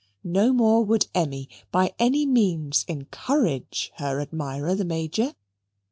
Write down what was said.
No more would Emmy by any means encourage her admirer, the Major.